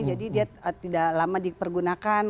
jadi dia tidak lama dipergunakan